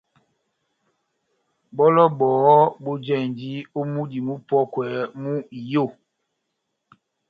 Bɔlɔ bɔhɔ́ bojahindi ó múdi múpɔkwɛ mú iyó.